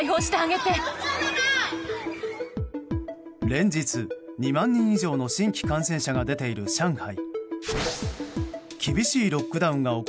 連日２万人以上の新規感染者が出ている上海。